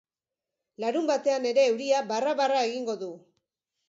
Larunbatean ere euria barra-barra egingo du.